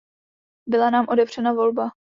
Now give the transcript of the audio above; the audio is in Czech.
Byla nám odepřena volba.